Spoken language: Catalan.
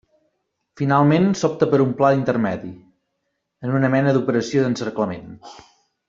Finalment s'optà per un pla intermedi, en una mena d'operació d'encerclament.